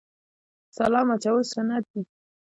سلام اچول سنت دي